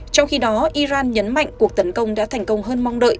trong khi đó iran nhấn mạnh cuộc tấn công đã thành công hơn mong đợi